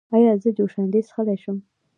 ایا زه جوشاندې څښلی شم؟